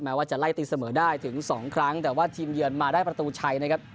ว่าจะไล่ตีเสมอได้ถึงสองครั้งแต่ว่าทีมเยือนมาได้ประตูชัยนะครับ